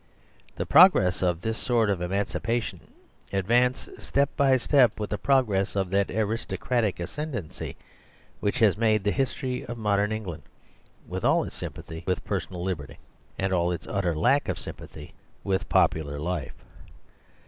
The progress of this sort of emancipation advanced step by step with the progress of that aristocratic ascendancy which has made the history of modern Eng land ; with all its sympathy with personal lib erty, and all its utter lack of sympathy with popular life.